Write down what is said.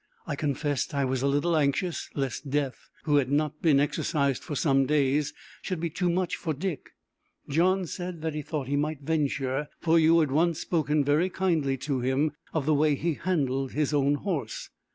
I confessed I was a little anxious lest Death, who had not been exercised for some days, should be too much for Dick. John said then he thought he might venture, for you had once spoken very kindly to him of the way he handled his own horse."